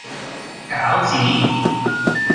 餃子